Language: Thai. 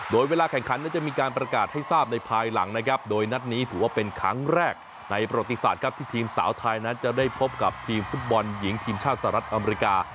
โดยเวลาแข่งขันนั้นจะมีการประกาศให้ทราบในภายหลังนะครับโดยนัดนี้ถือว่าเป็นครั้งแรกในประวัติศาสตร์ครับที่ทีมสาวไทยนั้นจะได้พบกับทีมฟุตบอลหญิงทีมชาติสหรัฐอเมริกา